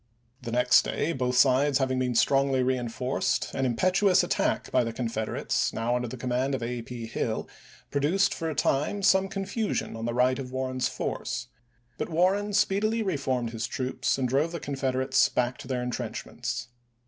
The next day, both sides having been strongly reenforced, an impetuous attack by the Confeder ates, now under the command of A. P. Hill, pro duced for a time some confusion on the right of Warren's force ; but Warren speedily reformed his troops and drove the Confederates back to their intrenchments.